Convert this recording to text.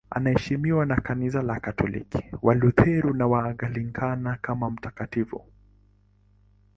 Anaheshimiwa na Kanisa Katoliki, Walutheri na Waanglikana kama mtakatifu.